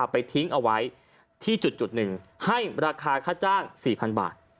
ไปทิ้งเอาไว้ที่จุดหนึ่งให้ราคาค่าจ้าง๔๐๐๐บาท